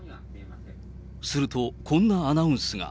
すると、こんなアナウンスが。